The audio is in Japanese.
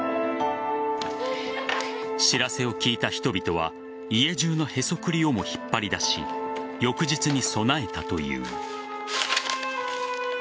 知らせを聞いた人々は家中のへそくりをも引っ張り出し翌日に備えたという。